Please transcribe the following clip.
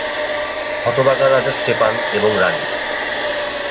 হতভাগা রাজা স্টেফান এবং রাণী।